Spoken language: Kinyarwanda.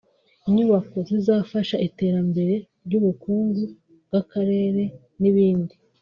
inyubako zifasha iterambere ry’ubukungu bw’akarere n’ibindi